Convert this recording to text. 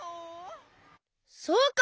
そうか！